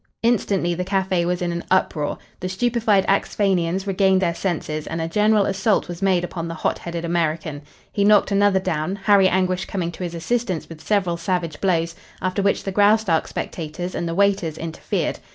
Instantly the cafe was in an uproar. The stupefied Axphainians regained their senses and a general assault was made upon the hotheaded American. He knocked another down, Harry Anguish coming to his assistance with several savage blows, after which the Graustark spectators and the waiters interfered.